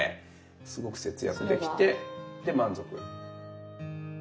すごく節約できてで満足。